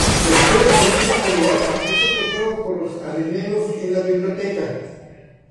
La historia comienza cuando Appa es secuestrado por los areneros en La Biblioteca.